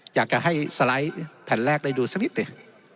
อยากจะให้สไลด์แผ่นแรกได้ดูสักนิดหนึ่ง